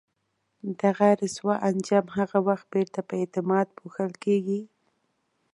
دغه رسوا انجام هغه وخت بیرته په اعتماد پوښل کېږي.